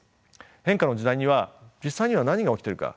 変化の時代には実際には何が起きているか。